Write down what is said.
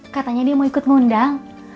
katanya dia mau ikut ngundang